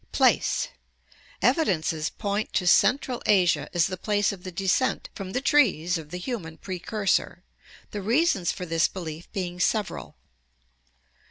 Place. — Evidences point to central Asia as the place of the de scent from the trees of the human precursor, the reasons for this belief being several.